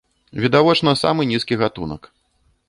Відавочна, самы нізкі гатунак.